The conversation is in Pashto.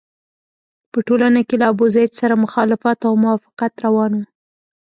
په ټولنه کې له ابوزید سره مخالفت او موافقت روان وو.